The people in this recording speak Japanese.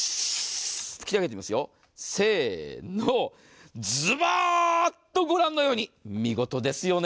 拭き上げてみますよ、せーの、ズバーッとご覧のように見事ですよね。